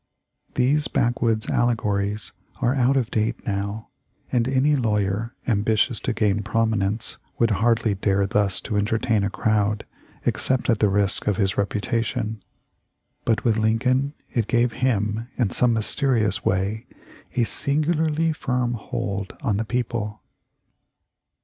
These back woods allegories are out of date now, and any lawyer, ambitious to gain prominence, would hardly dare thus to entertain a crowd, except at the risk of his reputation; but with Lincoln it gave him, in some mysterious way, a singularly firm hold on the people.